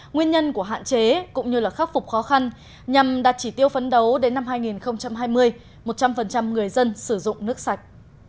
nguyên nhân của hạn chế cũng như khắc phục khó khăn nhằm đạt chỉ tiêu phấn đấu đến năm hai nghìn hai mươi một trăm linh người dân sử dụng nước sạch